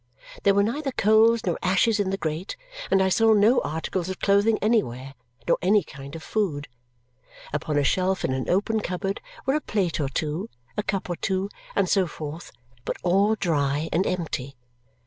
There were neither coals nor ashes in the grate, and I saw no articles of clothing anywhere, nor any kind of food. Upon a shelf in an open cupboard were a plate or two, a cup or two, and so forth, but all dry and empty.